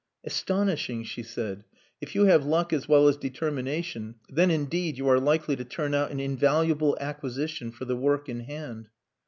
"Astonishing," she said. "If you have luck as well as determination, then indeed you are likely to turn out an invaluable acquisition for the work in hand."